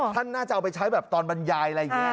ท่านน่าจะเอาไปใช้แบบตอนบรรยายอะไรอย่างนี้